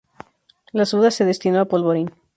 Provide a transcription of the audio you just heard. La Suda se destinó a polvorín.